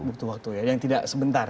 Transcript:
butuh waktu ya yang tidak sebentar